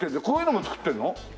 こういうのも作ってるの？